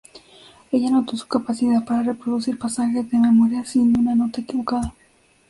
Ella notó su capacidad para reproducir pasajes de memoria sin una nota equivocada.